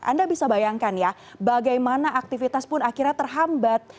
anda bisa bayangkan ya bagaimana aktivitas pun akhirnya terhambat